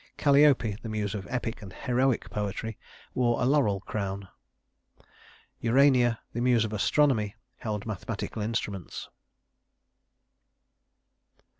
Calliope, the Muse of epic and heroic poetry, wore a laurel crown. Urania, the Muse of astronomy, held mathematical instruments.